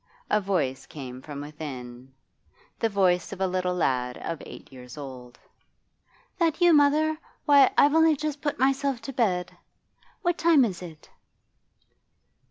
A voice came from within the voice of a little lad of eight years old. 'That you, mother? Why, I've only just put myself to bed. What time is it?